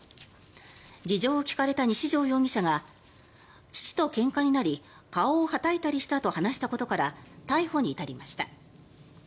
事情を聴かれた西條容疑者が父とけんかになり顔をはたいたりしたと話したことから逮捕に至りました。